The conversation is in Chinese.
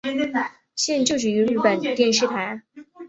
现就职于日本电视台。